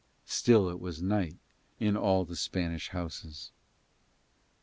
Still it was night in all Spanish houses.